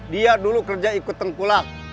dia dulu kerja ikut tengkulak